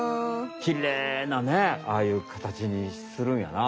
きれいなねああいうかたちにするんやな。